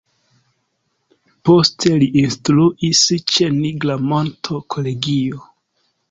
Poste li instruis ĉe Nigra Monto Kolegio.